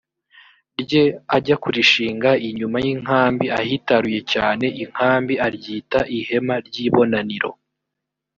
rye ajya kurishinga inyuma y inkambi ahitaruye cyane inkambi aryita ihema ry ibonaniro